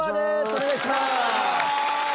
お願いします。